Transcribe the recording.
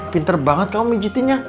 pinter banget kamu pijetinnya